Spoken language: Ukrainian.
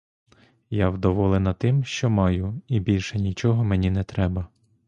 Я вдоволена тим, що маю, і більше нічого мені не треба.